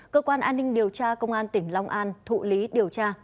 cơ quan an ninh điều tra công an tỉnh long an thụ lý điều tra